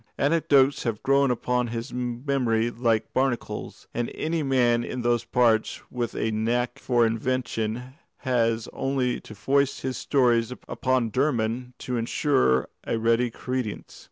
Anecdotes have grown upon his memory like barnacles, and any man in those parts with a knack of invention has only to foist his stories upon Dermod to ensure a ready credence.